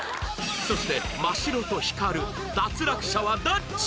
そしてマシロとヒカル脱落者はどっち？